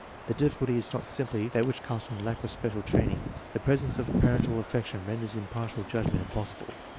The difficulty is SOURCES OF ERROR IN JUDGING S3 not simply that which comes from lack of special train ing. The presence of parental affection renders impartial judgment impossible.